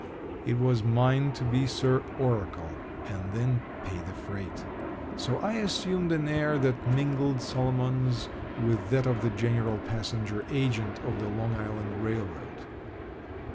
It was mine to be Sir Oracle, and then pay the freight. So I assumed an air that mingled Solomon's with that of the general passenger agent of the Long Island Railroad.